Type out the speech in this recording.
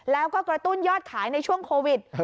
แล้วก็กระตุ้นยอดขายในช่วงโควิด